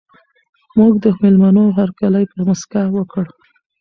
موږ د مېلمنو هرکلی په مسکا وکړ.